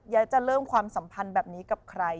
จะเริ่มความสัมพันธ์แบบนี้กับใคร